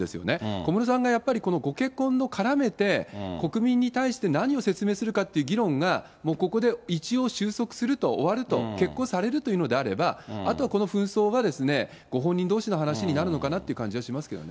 小室さんがやっぱりこのご結婚を絡めて国民に対して何を説明するかっていう議論がもうここで一応収束すると、終わると、結婚されるというのであれば、あとはこの紛争が、ご本人どうしの話になるのかなっていう感じはしますけどね。